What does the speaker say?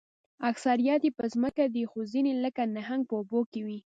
اکثریت یې په ځمکه دي خو ځینې لکه نهنګ په اوبو کې وي